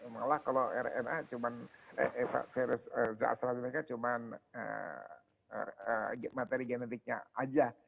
malah kalau rna cuma virus astrazeneca cuma materi genetiknya aja